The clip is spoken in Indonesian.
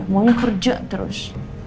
mau kerja terus